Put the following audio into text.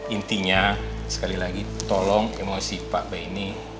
intinya sekali lagi tolong emosi pak bay ini